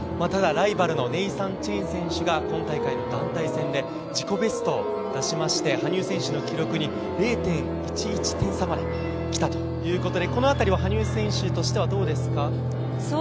ただ、ライバルのネイサン・チェン選手が今大会、団体戦で自己ベストを出しまして羽生選手の記録に０．１１点差まで来たということで、このあたり羽生選手としてはどうですか？